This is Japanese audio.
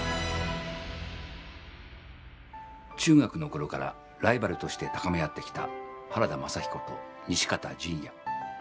中学の頃からライバルとして高め合ってきた原田雅彦と西方仁也。